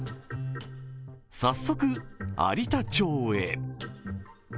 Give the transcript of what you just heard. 早速、有田町へ。